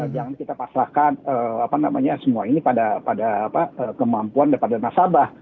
jangan kita pasrahkan semua ini pada kemampuan daripada nasabah